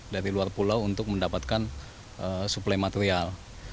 dari luar pulau untuk mendapatkan suplai material